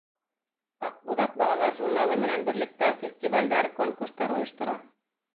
«Аҡбуҙат» балалар журналы менән берлектә фестивалдәр, конкурстар ойоштора.